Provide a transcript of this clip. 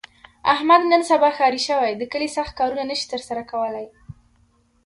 احمد نن سبا ښاري شوی، د کلي سخت کارونه نشي تر سره کولی.